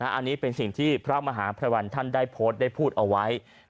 อันนี้เป็นสิ่งที่พระมหาพระวัลได้พูดเอาไว้